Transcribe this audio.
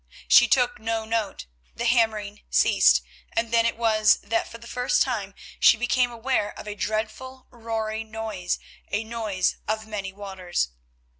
She took no note, the hammering ceased, and then it was that for the first time she became aware of a dreadful, roaring noise, a noise of many waters.